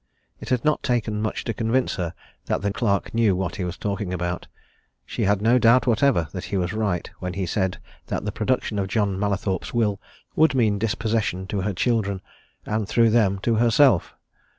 It had not taken much to convince her that the clerk knew what he was talking about. She had no doubt whatever that he was right when he said that the production of John Mallathorpe's will would mean dispossession to her children, and through them to herself.